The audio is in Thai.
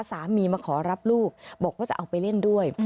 มาขอรับลูกบอกว่าจะเอาไปเล่นด้วย